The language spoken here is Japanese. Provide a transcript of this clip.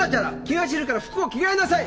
気が散るから服を着替えなさい！